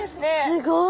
すごい。